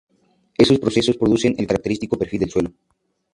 Esos procesos producen el característico perfil de suelo.